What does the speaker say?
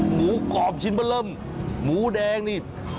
หมูกรอบชิ้นเบอร์เริ่มหมูแดงนี่